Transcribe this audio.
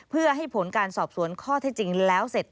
เพื่อให้ผลการสอบสวนข้อเท็จจริงแล้วเสร็จ